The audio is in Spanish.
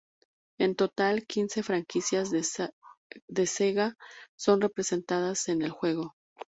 En total, quince franquicias de Sega son representadas en el juego.